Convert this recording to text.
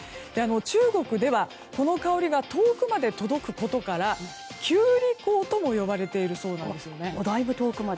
中国ではこの香りが遠くまで届くことから九里香とも呼ばれているそうなんですね。